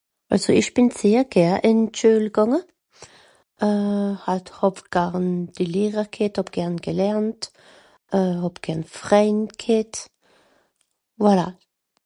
Àlso ich bin sehr gär in d Schuel gànge euh hat hàb garn die Lehrer ghett, hàb gärn gelernt, hàb gärn Freind ghett, voilà